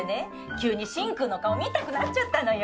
急に進くんの顔見たくなっちゃったのよ。